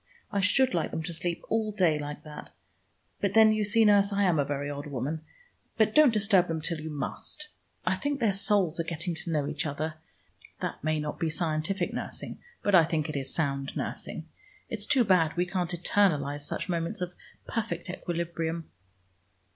"I should like them to sleep all day like that. But then, you see, nurse, I am a very odd woman. But don't disturb them till you must. I think their souls are getting to know each other. That may not be scientific nursing, but I think it is sound nursing. It's too bad we can't eternalize such moments of perfect equilibrium."